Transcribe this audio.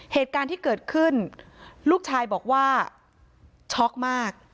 เหตุการณ์ที่เกิดขึ้นลูกชายบอกว่าช็อกมาก